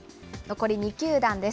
残り２球団です。